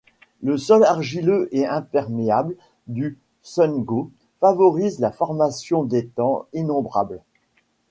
Le sol argileux et imperméable du Sundgau favorise la formation d'étangs innombrables.